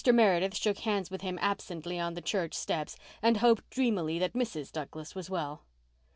Meredith shook hands with him absently on the church steps and hoped dreamily that Mrs. Douglas was well.